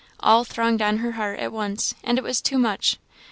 All thronged on her heart at once; and it was too much.